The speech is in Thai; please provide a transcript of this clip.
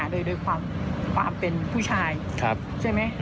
โดยความเป็นผู้ชายใช่ไหม